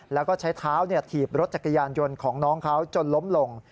แล้วก็ใช้เท้าถีบรถจักรยานยนต์ของน้องเขาจนล้มลง